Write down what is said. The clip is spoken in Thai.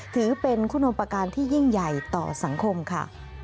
ถือเป็นคุณมประการที่ยิ่งใหญ่ต่อสังคมค่ะ